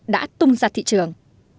đã tung ra thị trường